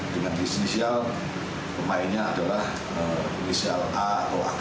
dengan isi inisial pemainnya adalah inisial a atau a t